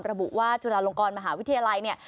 ระบุว่าจุฬาลงกรมหาวิทยาลัยเนี่ย